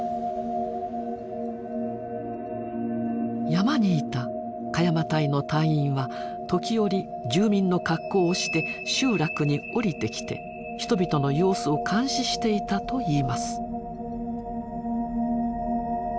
山にいた鹿山隊の隊員は時折住民の格好をして集落に下りてきて人々の様子を監視していたといいます。